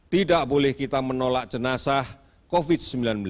tidak boleh kita menolak jenazah covid sembilan belas